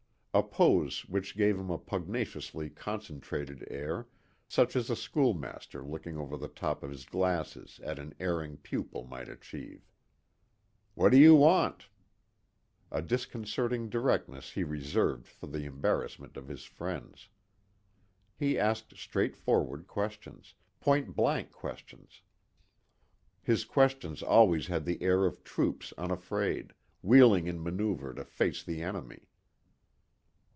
A pose which gave him a pugnaciously concentrated air such as a schoolmaster looking over the top of his glasses at an erring pupil might achieve. "What do you want?" A disconcerting directness he reserved for the embarrassment of his friends. He asked straightforward questions, point blank questions. His questions always had the air of troops unafraid, wheeling in manoeuver to face the enemy.